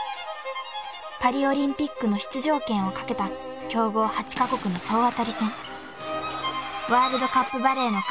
［パリオリンピックの出場権をかけた強豪８カ国の総当たり戦］